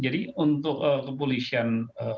jadi untuk kepolisian